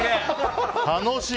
楽しい！